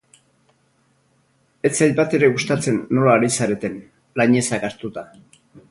Ez zait batere gustatzen nola ari zareten, lainezak hartuta.